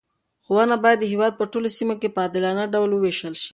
ښوونه باید د هېواد په ټولو سیمو کې په عادلانه ډول وویشل شي.